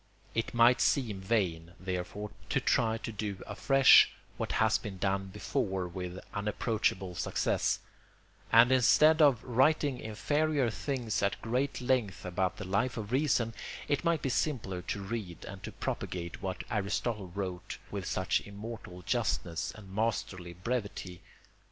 It might seem vain, therefore, to try to do afresh what has been done before with unapproachable success; and instead of writing inferior things at great length about the Life of Reason, it might be simpler to read and to propagate what Aristotle wrote with such immortal justness and masterly brevity.